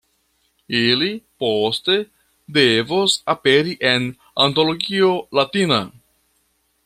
Ili poste devos aperi en Antologio Latina.